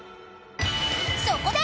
［そこで］